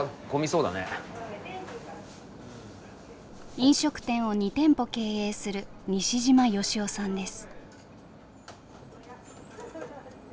飲食店を２店舗経営する西嶋芳生さんです。